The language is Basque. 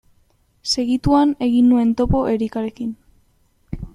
Segituan egin nuen topo Erikarekin.